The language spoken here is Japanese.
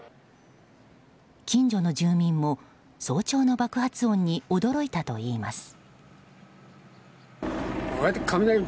近所の住民も早朝の爆発音に驚いたといいます。